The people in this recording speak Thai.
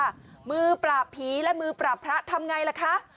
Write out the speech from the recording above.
แล้วมึงปราบผีมึงปราบพระทำไงละคะ